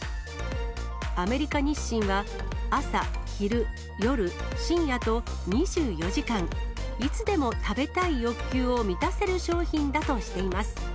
アメリカ日清は、朝、昼、夜、深夜と、２４時間、いつでも食べたい欲求を満たせる商品だとしています。